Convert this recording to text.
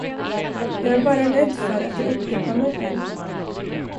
Jag är bara rädd för att jag upprepar mig själv.